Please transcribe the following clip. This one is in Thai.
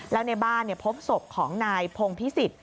แล้วในบ้านพบศพของนายพงพิสิทธิ